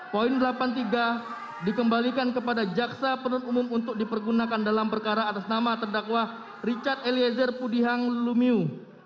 poin delapan puluh tiga dikembalikan kepada jaksa penuntut umum untuk dipergunakan dalam perkara atas nama terdakwa richard eliezer pudihang lumiu